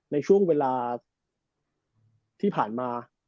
ในช่วงเวลาที่ผ่านมา